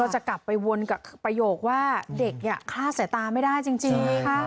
จะกลับไปวนกับประโยคว่าเด็กคลาดสายตาไม่ได้จริง